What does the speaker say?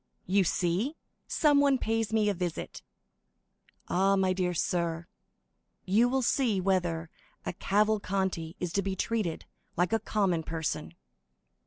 "You see someone pays me a visit. Ah, my dear sir, you will see whether a Cavalcanti is to be treated like a common person!"